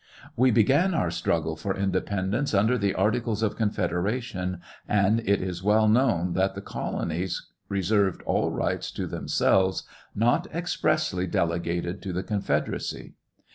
"We began our struggle for independence under the articles of confederation, and it is well known that the colonies reserved all rights to themselves, not expressly delegated to the confederacy.